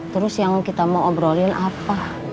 terus yang kita mau obrolin apa